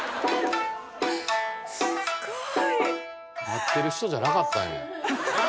すごい。待ってる人じゃなかったんや。